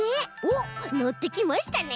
おっのってきましたね。